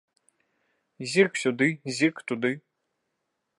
Зірк сюды, зірк туды.